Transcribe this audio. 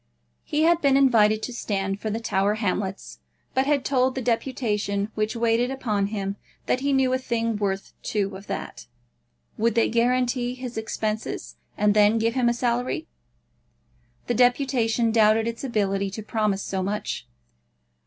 He had been invited to stand for the Tower Hamlets, but had told the deputation which waited upon him that he knew a thing worth two of that. Would they guarantee his expenses, and then give him a salary? The deputation doubted its ability to promise so much.